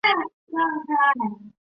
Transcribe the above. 攀鼠为鼠科攀鼠属的动物。